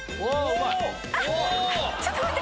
あっちょっと待って！